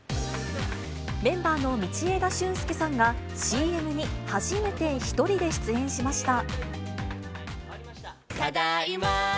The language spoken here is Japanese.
メンバーの道枝駿佑さんが、ＣＭに初めて１人で出演しました。